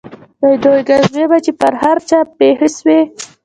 د دوى گزمې به چې پر هر چا پېښې سوې.